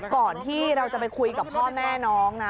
ก่อนที่เราจะไปคุยกับพ่อแม่น้องนะ